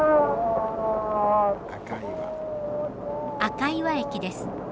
赤岩駅です。